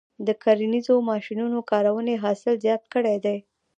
د کرنیزو ماشینونو کارونې حاصل زیات کړی دی.